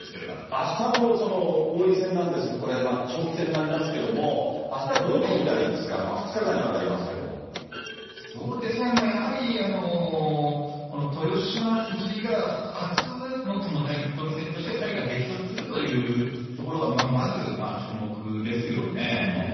あしたの王位戦なんですが、長期戦になりますけども、あしたはどういったところを見たらいいですか、２日間にわたりまそうですね、やはりこの豊島・藤井が初のタイトル戦として２人が激突するというところがまず、注目ですよね。